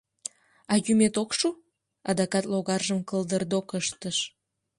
А йӱмет ок шу? — адакат логаржым кылдырдок ыштыш.